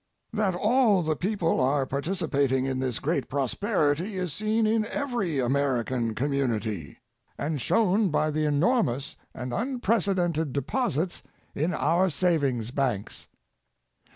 That all the people are participating in this great prosperity is seen in every American community and shown by the enormous and unprecedented deposits in our savings banks.